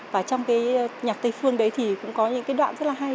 và trong cái nhạc tây phương đấy thì cũng có những cái đoạn rất là hay